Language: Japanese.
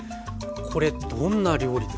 これどんな料理ですか？